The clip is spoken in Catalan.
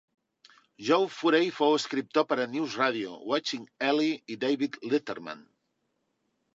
Joe Furey fou escriptor per a "NewsRadio", "Watching Ellie" i David Letterman.